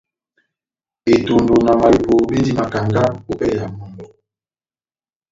Etondo na mahepo bendi makanga ópɛlɛ ya mɔmbɔ́.